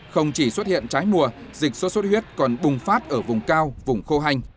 không chỉ xuất hiện trái mùa dịch sốt xuất huyết còn bùng phát ở vùng cao vùng khô hành